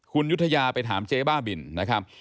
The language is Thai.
คุณยุธยาไปถามเจ๊บ้าบินนะครับ